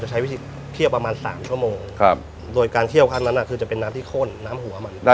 ก็ใส่ต้มไปทีเดียวเลย๓ชั่วโมง